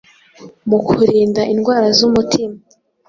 mu kurinda indwara z’umutima